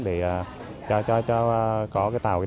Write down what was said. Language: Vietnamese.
để cho có tạo địa kiện